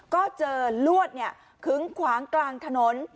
ก็เจอลวดขึ้งขวางกลางถนน